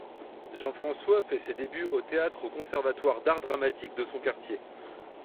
Jean-François fait ses débuts au théâtre au conservatoire d'art dramatique de son quartier.